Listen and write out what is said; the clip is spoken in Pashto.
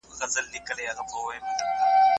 یوازې انټرنیټ ته اړتیا لرئ.